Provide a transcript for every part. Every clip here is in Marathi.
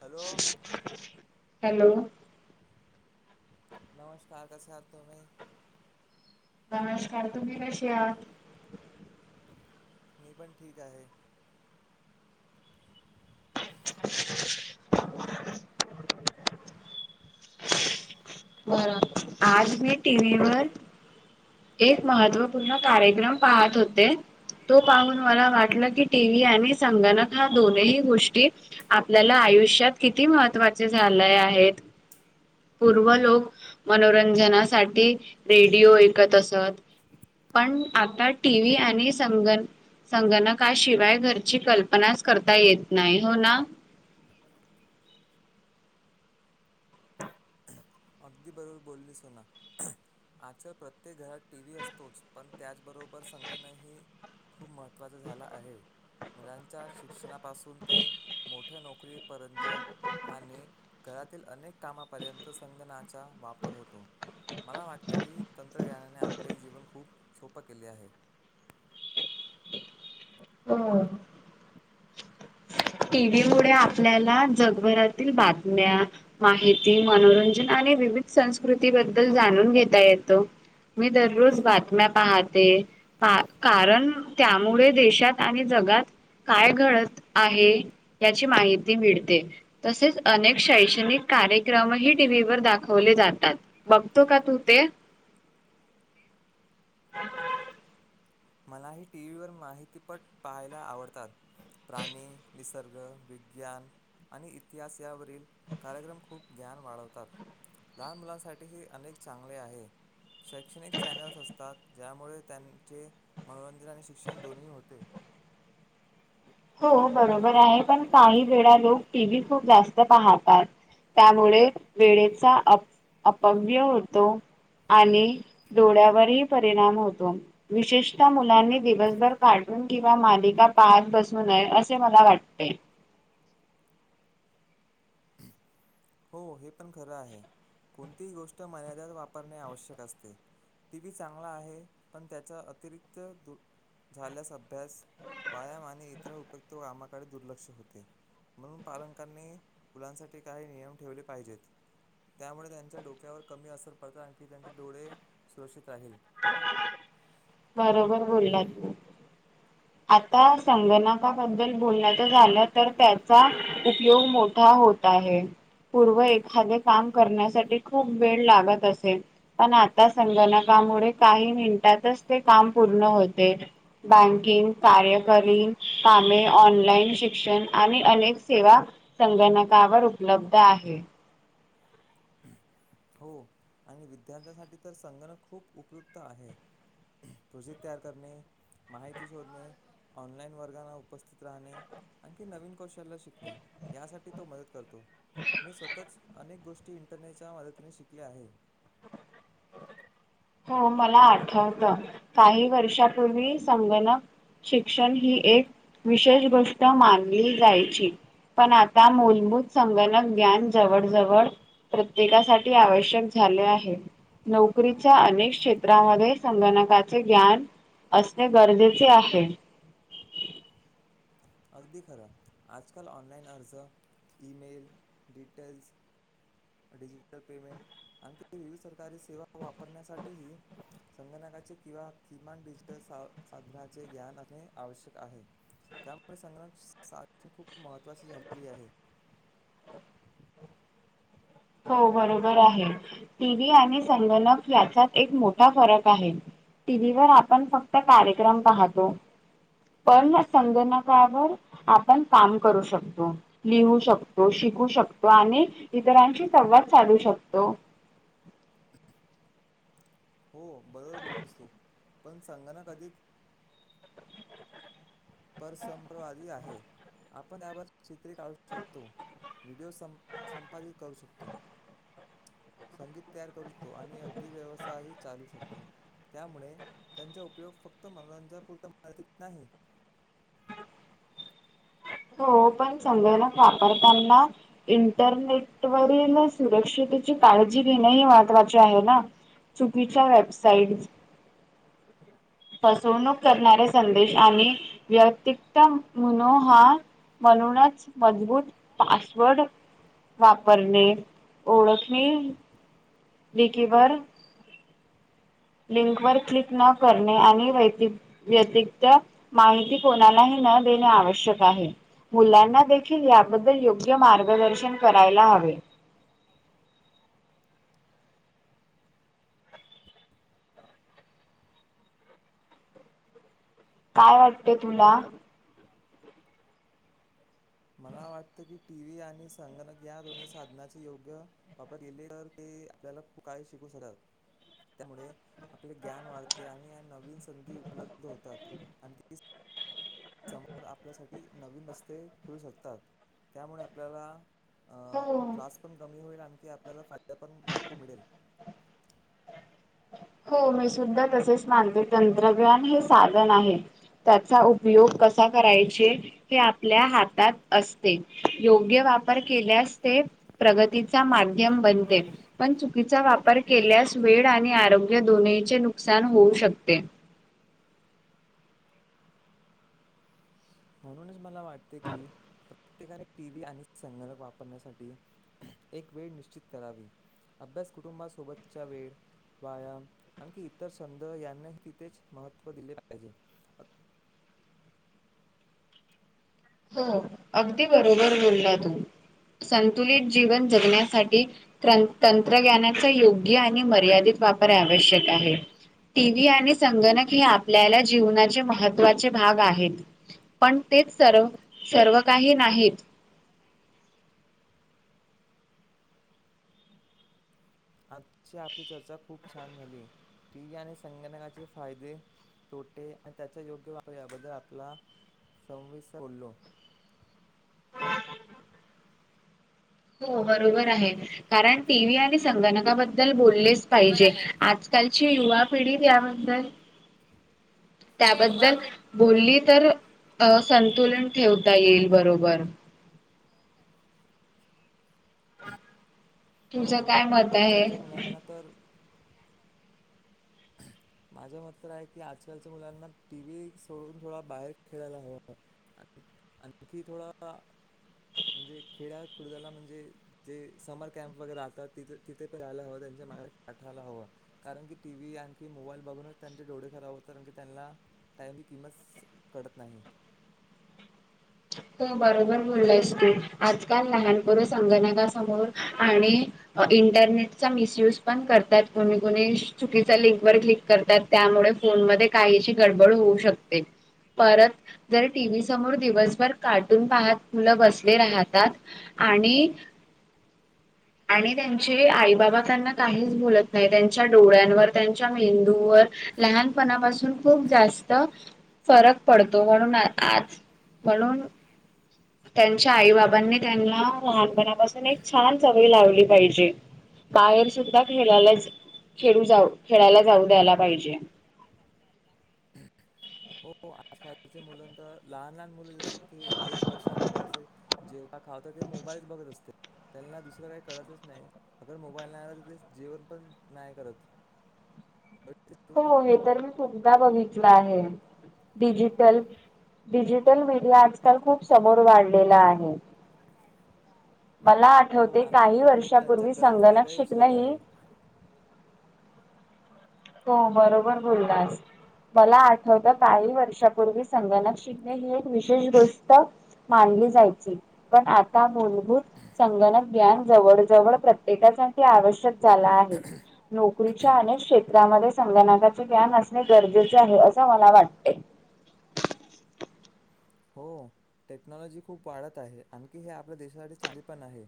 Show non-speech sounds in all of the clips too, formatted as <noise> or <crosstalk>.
हॅलो. हॅलो. नमस्कार कसे आहात तुम्ही? नमस्कार तुम्ही कशे आहात? मी पण ठीक आहे. बर आज मी टीव्हीवर एक महत्त्वपूर्ण कार्यक्रम पाहत होते. तो पाहून मला वाटलं की टीव्ही आणि संगणक हा दोनही गोष्टी आपल्याला आयुष्यात किती महत्त्वाचे झाले आहेत. पूर्व लोक मनोरंजनासाठी रेडिओ ऐकत असत. पण आता टी. व्ही. आणि संगणक. संगणकाशिवाय घरची कल्पनाच करता येत नाही हो ना. <inaudible> अगदी बरोबर बोललीस सोना. आजकाल प्रत्येक घरात टीव्ही असतोच. पण त्याचबरोबर संगणकही. खूप महत्वाचा झाला आहे. मुलांच्या शिक्षणापासून ते. मोठ्या नोकरीपर्यंत. आणि घरातील अनेक कामापर्यंत स संगणकाचा वापर होतो. मला वाटत की तंत्रज्ञानाने आपले जीवन खूप सोप केले आहे. हम. टीव्ही मुळे आपल्याला जगभरातील बातम्या. माहिती मनोरंजन आणि विविध संस्कृती बद्दल जाणून घेता येतो. मी दररोज बातम्या पाहते. पहा कारण त्यामुळे देशात आणि जगात काय घडत आहे याची माहिती मिळते. तसेच अनेक शैक्षणिक कार्यक्रम ही टीव्ही व दाख खवले जातात. बघतो का तू ते? ह ह <unintelligible> मलाही टीव्हीवर माहितीपट पाहायला आवडतात. प्राणी. निसर्ग. विग्यान. आणि इतिहास यावरील कार्यक्रम खूप ग्यान वाढवतात. लहान मुलांसाठी हे अनेक चांगले आहे. शैक्षणिक चॅनल्स असतात. ज्यामुळे त्यांनचे. मनोरंजन आणि शिक्षण दोन्ही होते हो बरोबर आहे, पण काही वेळा लोक टी व्ही खूप जास्त पाहतात. त्यामुळे वेळेचा अ अपव्य होतो. आणि डोळ्यावरही परिणाम होतो, विशेषतः मुलांनी दिवसभर काढ कम किंवा मालिका पाहत बसू नये असे मला वाटते. हो हे पण खरं आहे, कोणतीही गोष्ट मर्यादात वापरणे आवश्यक असते. टी व्ही चांगला आहे, पण त्याचा अतिरिक्त दु झाल्यास अभ्यास, व्यायाम आणि इतर उपयुक्त कामाकडे दुर्लक्ष होते. म्हणून पालकांनी मुलांसाठी काही नियम ठेवले पाहिजेत. त्यामुळे त्यांच्या डोक्यावर कमी असर पडता, आणखी त्यांचे डोळे सुरक्षित राहील. बरोबर बोललात. आता संगणकाबद्दल बोलण्याचं झालं तर त्याचा उपयोग मोठा होत आहे. पूर्व एखादे काम करण्यासाठी खूप वेळ लागत असे, पण आता संगणका मुळे काही मिनटातच ते काम पूर्ण होते, बँकिंग कार्यकरी, कामे, ऑनलाईन शिक्षण आणि अनेक सेवा संगणका कावर उपलब्ध आहे. हो, आणि विद्यार्थ्यांसाठी तर संगणक खूप उपयुक्त आहे. प्रोजेक्ट तयार करणे माहिती शोधणे, ऑनलाईन वर्गांना उपस्थित राहणे आणखी नवीन कोश ले शिकणे, यासाठी तो मदत करतो, मी स्वतःच अनेक गोष्टी इंटरनेटच्या मदत ने शिकले आहे. हो मला आठवत काही वर्षापूर्वी संगणक शिक्षण ही एक विशेष गोष्ट मानली जायची पण आता मूलभूत संगणक ग्यान जवळ जवळ प्रत्येकासाठी आवश्यक झाले आहे नोकरी अनेक क्षेत्रामध्ये संगणकाचे ग्यान असणे गरजेचे आहे अगदी खरं आजकाल ऑनलाइन अर्ज ईमेल डिटेल्स डिजिटल पेमेंट आणखी विविध सरकारी सेवा वापरण्यासाठीही संगणकाचे किंवा किमान डिजिटल साधनाचे ग्यान असणे आवश्यक आहे हम् <unintelligible> मुळेण <unintelligible> संगणक साक्ष <unintelligible> खूप महत्त्वाची झालेली आहे हो बरोबर आहे टीव्ही आणि संगणक याचात एक मोठा फरक आहे टी व्ही वर आपण फक्त कार्यक्रम पाहतो पण संगणकावर आपण काम करू शकतो लिहू शकतो श शिक <unintelligible> शकतो आणि इतरांशी संवाद साधू शकतो हो बरोबर बोललीस तू पण संगणक अधिक परसंप्रवादी आहे आपण त्यावर चित्रे काढू शकतो व्हिडिओ सं संपादित करू शकतो संगीत तयार करू शकतो आणि अगदी व्यवसायही चालू शकतो त्यामुळे त्यांचा उपयोग फक्त मनोरंजापरता मारतीत नाही हो पण संगणक वापरताना इंटरनेटवरील सुरक्षित त्याची काळजी घेणे ह महत्वाची आहे चुकीच्या वेबसाइट अ फसवणूक करणारे संदेश आणि व्यति्त मनो हा म्हणूनच मजबूत पासवर्ड वापरणे ओळखणे विकीवर लिंक वर क्लिक न करणे आणि व्यत्त माहिती कोणालाही न देण आवश्यक आहे मुलांना देखील याबद्दल योग्य मार्गदर्शन करायला हवे <inaudible> काय वाटतेय तुला मला वाटत की टीव्ही आणि संगणक या दोन्ही साधनाचे योग्य वापर केले तर ते आपल्याला काय शिकू शडत त्यामुळे आपले ज्ञान वाढते आणि नवीन संधी उपलब्ध होतात आणखी समोर आपल्यासाठी नवीन रस्ते खुलू शकतात त्यामुळे आपल्याला अ हो त्रास पण कमी होईल आणि की आपल्याला फायदा पण भरपूर मिळेल हो मी सुद्धा तसेच मानते तंत्रज्ञान हे साधन आहे त्याचा उपयोग कसा करायचे हे आपल्या हातात असते योग्य पर केल्यास ते प्रगतीचा माध्यम बनते पण चुकीचा वापर केल्यास वेळ आणि आरोग्य दोन्हीचे नुकसान होऊ शकते म्हणूनच मला वाटते की प्रत्येकाने टी व्ही आणि संगणक वापरण्यासाठी एक वेळ निश्चित करावी अभ्यास कुटुंबासोबतच्या वेळ व्यायाम आणखी इतर छंद यांनाही तिथेच महत्व दिले पाहिजे <inaudible> हो अगदी बरोबर बोलला तू संतुलित जीवन जगण्यासाठी तंत्रज्ञानाच योग्य आणि मर्यादित वापर आवश्यक आहे टी व्ही आणि संगणक हे आपल्याला जीवनाचे महत्त्वाचे भाग आहेत पण तेच सर्व सर्व काही नाहीत आजची आपली चर्चा खूप छान झाली, टी व्ही आणि संगणकाचे फायदे तोटे आणि त्याच्या योग्य वापर याबद्दल आपला संविस बोलो. हो बरोबर आहे. कारण टी. व्ही. आणि संगणकाबद्दल बोलले पाहिजे आजकालची युवा पिढी त्याबद्दल. त्याबद्दल बोलली तर अ संतुलन ठेवता येईल बरोबर. तुझं हो. काय मत आहे? आजकालच्या मुलांना तर माझं मत तर आहे की. आजकालच्या मुलांना टीव्ही सोडून थोडा बाहेर खेळायला हवा. आणखी थोडा. म्हणजे खेड्या खुडदला म्हणजे. जे समर कॅम्प वगैरे राहतात. तिथ तिथे प राहायला ह. पाठवायला हवं. कारण की टीव्ही आणखी मोबाईल बघूनच त्यांचे डोळे खराब होतते कारण की त्यांना. टाइमची किंमत कळत नाही. ह <unintelligible> हो बरोबर बोललायस तू आजकाल लहानपणी संगणका समोर आणि. इंटरनेटचा मिसुज करतात. कुणी-कुणी चुकीच्या लिंकवर क्लिक करत्यात त्या. एवढ फोन मध्ये. काहीशी गडबड होऊ शकते. परत जर टीव्ही समोर दिवसभर. भर कार्टून पाह मुलं बसले राहतात. आणि आणि त्यांचे आई-बाबा त्यांना काहीच बोलत नाही. त्यांच्या डोळ्यांवर. त्यांच्या मेंदूवर. लहानपणापासून खूप जास्त फरक पडतो. म्हणून आज म्हणून त्यांच्या आई-बाबांनी त्यांना लहानपणापासून एक छान सवय लावली पाहिजे. बाहेर सुद्धा खेळाला खेळू जाऊ खेळायला जाऊ द्यायला पाहिजे. मुल तर. लहान-लहान मुलं जस की एक वर्ष. दोन वर्षे. जेवताना हातात ते मोबाईल. बघत असते. त्यांना दुसरं काही कळतच नाही, अगर मोबाईल नाही आला तर, ते जेवण पण नाही करत. बघितलीस तू हो, हे तर मी खुपदा बघितलं आहे. डिजिटल डिजिटल मीडिया आजकाल खूप समोर वाढलेला आहे. मला हो आठवते, आणखी काही खूप लोक त्यांचा वर्षापूर्वी गलत संगणक फायदाही शिकणं उचलत ही आहे हो बरोबर बोललास. मला आठवत, काही वर्षापूर्वी संगणक शिकणे ही एक विशेष गोष्ट मान ली जायची. मूलभूत संगणक ग्यान जवळ जवळ प्रत्येकासाठी आवश्यक झालं आहे. नोकरीच्या अनेक क्षे त्रामध्ये संगनकाचे ज्ञान असणे गरजेचे आहे, असं मला वाटते. <inaudible> हो टेक्नॉलॉजी खूप वाढत आहे. आणखी हे आपल्या देशासाठी चांगली पण आहे.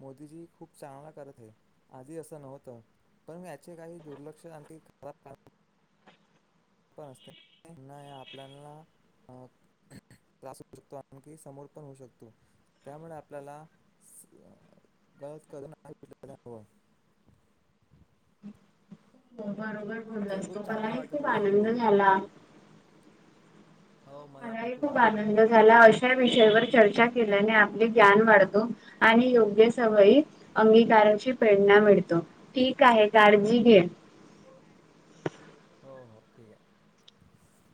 मोदीजी खूप चांगला करत आहेत. आधी असं नव्हतं. पण म याचे काही दुर्लक्ष आणखी खराब काम पण असतय ना, आपल्यानला अ त्रास होऊ शकतो, आणखी समोर पण होऊ शकतो, त्यामुळे आपल्याला गलत करून <unintelligible> <inaudible> हो बरोबर चल बोललास तु, खूप चांगला मलाही वाटलं खूप तुझ्यासोबत आनंद बोलून झाला. मलाही खूप आनंद झाला, अशा विषयावर चर्चा केल्याने आपले ज्ञान वाढतो आणि योग्य सवयी अंगीकाराची प्रेरणा मिळतो. ठीक आहे काळजी घे. हो हो ठीक हाय.